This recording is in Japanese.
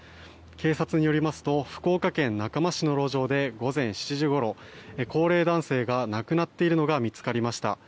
警察によりますと福岡県中間市の路上で午前７時ごろ高齢男性が亡くなっているのが見つかりました。